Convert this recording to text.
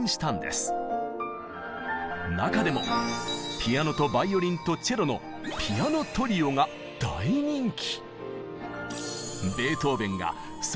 中でもピアノとバイオリンとチェロの「ピアノトリオ」が大人気！